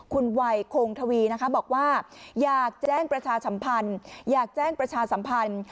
คุณไวยโคงทวีบอกว่าอยากแจ้งประชาสัมพันธ์